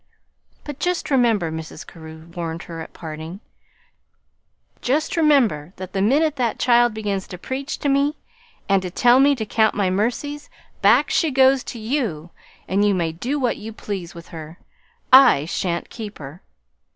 "But just remember," Mrs. Carew warned her at parting, "just remember that the minute that child begins to preach to me and to tell me to count my mercies, back she goes to you, and you may do what you please with her. I sha'n't keep her!"